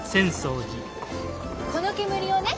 この煙をね